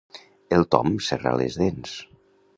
El Tom serra les dents.